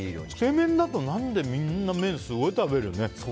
つけ麺だとみんなすごい麺食べるよね。